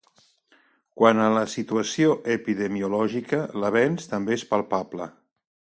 Quant a la situació epidemiològica, l’avenç també és palpable.